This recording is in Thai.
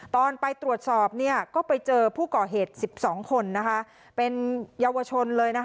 ตอนไปตรวจสอบก็ไปเจอผู้ก่อเหตุ๑๒คนเป็นเยาวชนเลยนะคะ